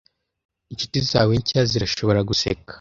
Inshuti zawe nshya zirashobora guseka